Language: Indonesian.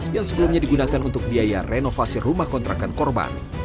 yang sebelumnya digunakan untuk biaya renovasi rumah kontrakan korban